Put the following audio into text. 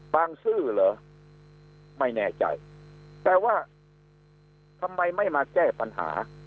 ซื่อเหรอไม่แน่ใจแต่ว่าทำไมไม่มาแก้ปัญหา